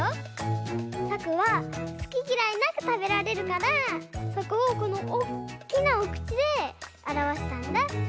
さくはすききらいなくたべられるからそこをこのおっきなおくちであらわしたんだ！